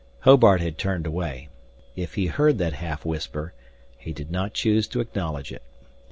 Hobart had turned away. If he heard that half whisper, he did not choose to acknowledge it.